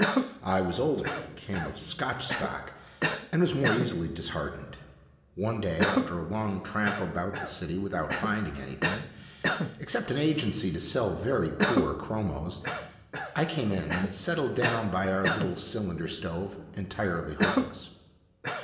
I was older, came of Scotch stock, and was more easily dis heartened. One day, after a long tramp about the city without finding any thing except an agency to sell very poor chromos, I came in, and settled down by our little cylinder stove, entirely hopeless.